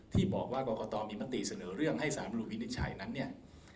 ที่บอกว่ากรกตมีมติเสนอเรื่องให้สารมนุนวินิจฉัยนั้นเนี่ย